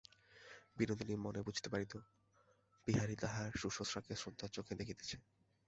বিনোদিনী মনে বুঝিতে পারিত, বিহারী তাহার শুশ্রূষাকে শ্রদ্ধার চক্ষে দেখিতেছে।